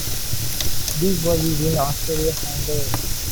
This was used in Austria-Hungary.